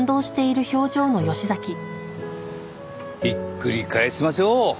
ひっくり返しましょう。